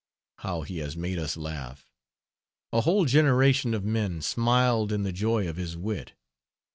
How he has made us laugh! A whole generation of men Smiled in the joy of his wit.